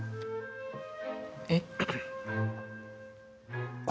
えっ？